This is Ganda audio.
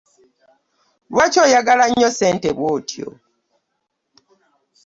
Lwaki oyagala nnyo ssente bwotyo?